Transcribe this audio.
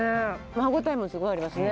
歯応えもすごいありますね。